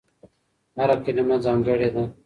هره کلمه ځانګړې ده.